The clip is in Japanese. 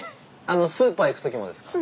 スーパー行く時もですか？